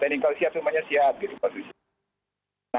teknikal siap semuanya siap gitu posisinya